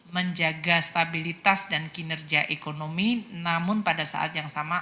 menjaga stabilitas dan kinerja ekonomi namun pada saat yang sama